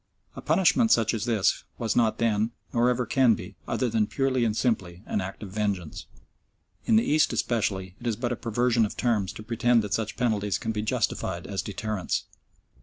A punishment such as this was not then, nor ever can be, other than purely and simply an act of vengeance. In the East especially it is but a perversion of terms to pretend that such penalties can be justified as deterrents.